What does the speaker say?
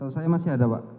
saya masih ada pak